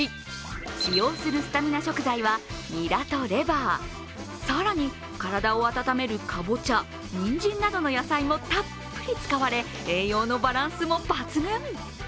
使用するスタミナ食材はにらとレバー、更に体を温めるかぼちゃ、にんじんなどの野菜もたっぷり使われ、栄養のバランスも抜群。